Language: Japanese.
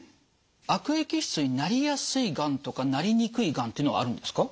悪液質になりやすいがんとかなりにくいがんっていうのはあるんですか？